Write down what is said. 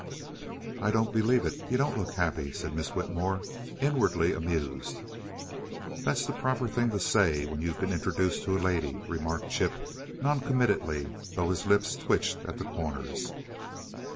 "I don't believe it you don't look happy," said Miss Whitmore, inwardly amused. "That's the proper thing to say when you've been introduced to a lady," remarked Chip, noncommittally, though his lips twitched at the corners.